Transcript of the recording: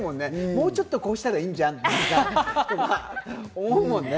もうちょっとこうしたらいいんじゃんとか思うもんね。